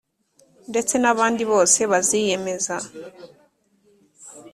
ndetse n abandi bose baziyemeza